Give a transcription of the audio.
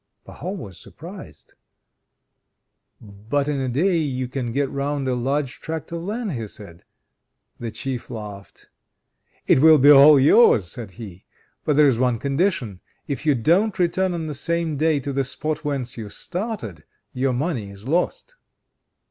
Pahom was surprised. "But in a day you can get round a large tract of land," he said. The Chief laughed. "It will all be yours!" said he. "But there is one condition: If you don't return on the same day to the spot whence you started, your money is lost."